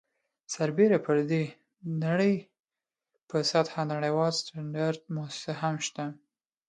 سربیره پر دې د نړۍ په سطحه نړیواله سټنډرډ مؤسسه هم شته.